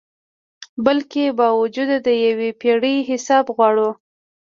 بلکي باوجود د یو پیړۍ حساب غواړو